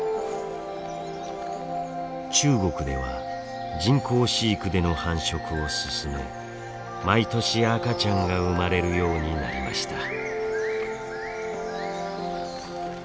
中国では人工飼育での繁殖を進め毎年赤ちゃんが生まれるようになりました。